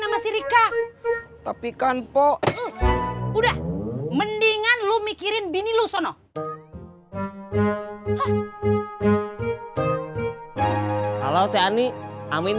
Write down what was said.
sama si rika tapi kan po udah mendingan lu mikirin bini lu sono halo tia nih amin